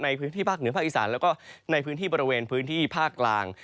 ในพื้นที่ภาคเหนือภาคอีสานแล้วก็ในพื้นที่บริเวณพื้นที่ภาคกลาง